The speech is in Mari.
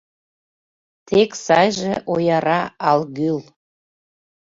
Тек сайже ояра ал-гӱл.